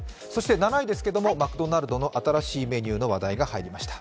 ７位ですけれども、マクドナルドの新しいメニューの話題が入りました。